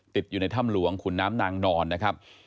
ติดอยู่ในถ้ำหลวงขุนน้ำนางนอนนะครับ